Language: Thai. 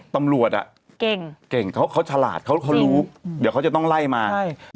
ตำรวจน่ะเก่งเขาฉลาดเขารู้เดี๋ยวเขาจะต้องไล่มา